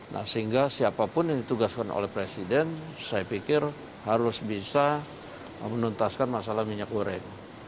nah sehingga siapapun yang ditugaskan oleh presiden saya pikir harus bisa menuntaskan masalah minyak goreng